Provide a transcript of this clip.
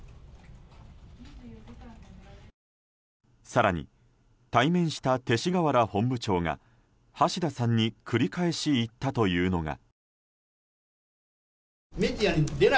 更に対面した勅使河原本部長が橋田さんに繰り返し言ったというのが。